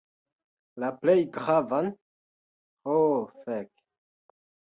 La plej gravan. Ho fek.